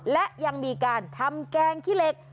และยังมีการทำแกงขี้เหล็ก